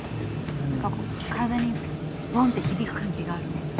何かこう体にボンって響く感じがあるね。